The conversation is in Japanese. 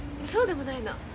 そうでもないの。